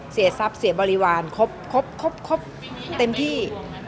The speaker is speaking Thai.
เสียทรัพย์เสียบริวารครบครบเต็มที่